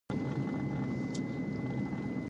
د هغه په شاعرۍ کې د تصوف رڼا د انسان زړه ته سکون ورکوي.